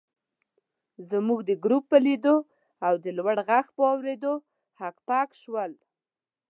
زموږ د ګروپ په لیدو او د لوړ غږ په اورېدو هک پک شول.